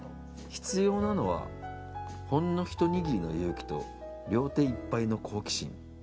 必要なのはほんの一握りの勇気と両手いっぱいの好奇心。